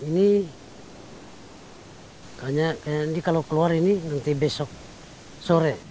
ini kayaknya ini kalau keluar ini nanti besok sore